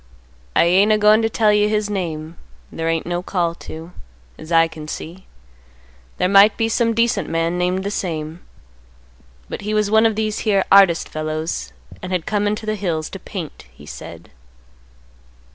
I ain't a goin' to tell you his name; there ain't no call to, as I can see. There might be some decent man named the same. But he was one of these here artist fellows and had come into the hills to paint, he said."